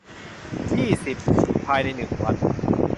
ยี่สิบ ภายใน หนึ่ง วัน